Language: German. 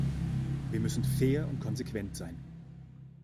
Wir müssen fair und konsequent sein.